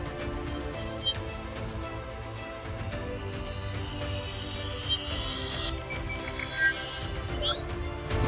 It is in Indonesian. masyarakat bisa melakukan penukaran uang kecil maupun top up uang elektronik